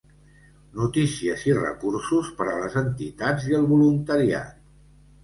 Notícies i recursos per a les entitats i el voluntariat.